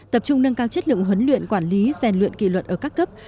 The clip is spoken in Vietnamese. tập trung nâng cao chất lượng huấn luyện quản lý rèn luyện kỷ luật ở các cấp